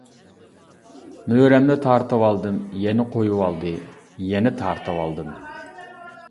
مۈرەمنى تارتىۋالدىم، يەنە قويۇۋالدى، يەنە تارتىۋالدىم.